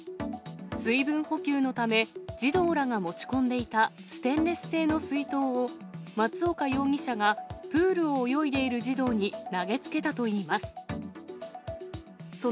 水分補給のため、児童らが持ち込んでいたステンレス製の水筒を松岡容疑者がプールを泳いでいる児童に投げつけたといいます。